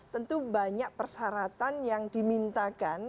tentu banyak persyaratan yang dimintakan